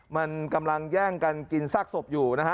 มันกำลังแย่งกันกินซากศพอยู่นะฮะ